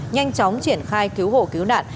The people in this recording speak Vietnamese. nhanh chóng triển khai cứu hộ cứu nạn